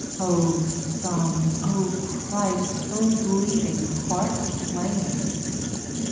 O Sun, O Christ, O bleeding Heart of flame!